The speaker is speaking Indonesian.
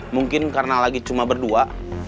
mungkin karena lagi cuma berdua